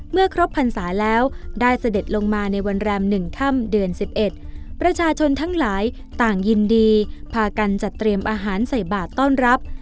เมื่อครบพรรษาแล้วได้เสด็จลงมาในวันแรม๑ค่ำเดือน๑๑ประชาชนทั้งหลายต่างยินดีพากันจัดเตรียมอาหารใส่บาทต้อนรับ